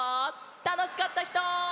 たのしかったひと！